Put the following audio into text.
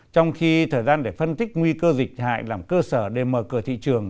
trong khi thời gian để phân tích nguy cơ dịch hại làm cơ sở để mở cửa thị trường